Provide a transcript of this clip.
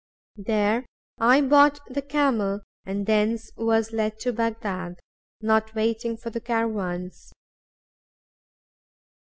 There I bought the camel, and thence was led to Bagdad, not waiting for caravans.